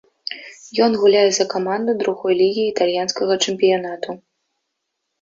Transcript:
Ён гуляе за каманду другой лігі італьянскага чэмпіянату.